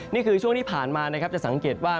นี่คือช่วงที่ผ่านมานะครับจะสังเกตว่า